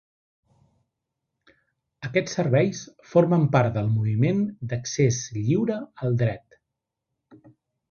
Aquests serveis formen part del Moviment d'Accés Lliure al Dret.